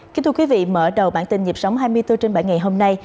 kính thưa quý vị mở đầu bản tin nhịp sống hai mươi bốn trên bảy ngày hôm nay